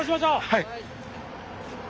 はい。